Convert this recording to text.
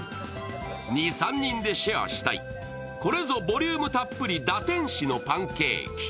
２３人でシェアしたい、これぞボリュームたっぷり堕天使のパンケーキ。